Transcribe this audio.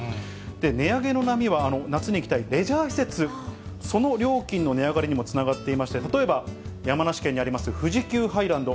値上げの波は夏に行きたいレジャー施設、その料金の値上がりにもつながっていまして、例えば、山梨県にあります富士急ハイランド。